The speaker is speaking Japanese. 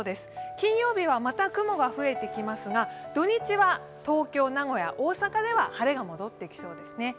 金曜日はまた雲が増えてきますが土日は東京、名古屋、大阪では晴れが戻ってきそうですね。